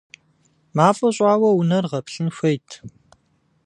МафӀэ щӀауэ унэр гъэплъын хуейт.